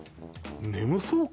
眠そうか？